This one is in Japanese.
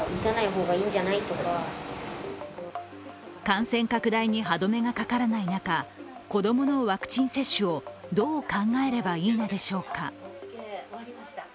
感染拡大に歯止めがかからない中、子供のワクチン接種をどう考えればいいのでしょうか。